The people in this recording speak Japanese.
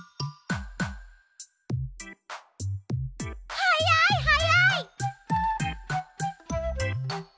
はやいはやい！